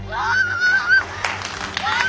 あ！